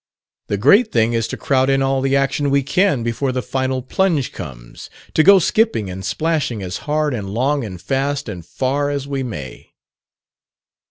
The great thing is to crowd in all the action we can before the final plunge comes to go skipping and splashing as hard and long and fast and far as we may!"